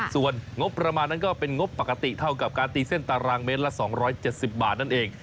ส่วนงบประมาณนั้นก็เป็นงบปกติเท่ากับการตีเส้นตารางเมตรละ๒๗๐บาทนั่นเอง